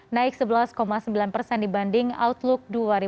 naik sebelas sembilan persen dibanding outlook dua ribu dua puluh